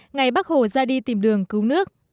ngày bắc hồ ra đi tìm đường cứu nước